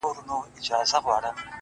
• هم به مور هم به عالم درنه راضي وي,